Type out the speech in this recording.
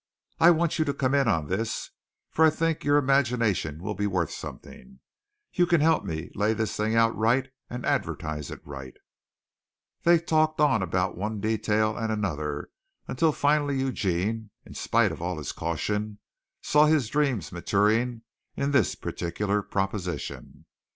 I want you to come in on this, for I think your imagination will be worth something. You can help me lay this thing out right and advertise it right." They talked on about one detail and another until finally Eugene, in spite of all his caution, saw his dreams maturing in this particular proposition.